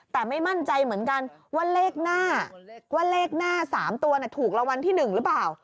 แต่ไม่มั่นใจเหมือนกันว่าเลขหน้า๓ตัวถูกรวรรณที่๑หรือเปล่า